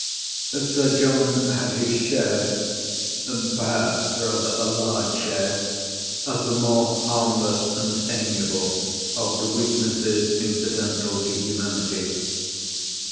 Sir John had his share—perhaps rather a large share—of the more harmless and amiable of the weaknesses incidental to humanity.